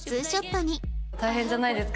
大変じゃないですか？